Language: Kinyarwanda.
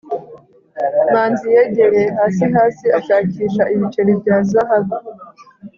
manzi yegereye hasi hasi, ashakisha ibiceri bya zahabu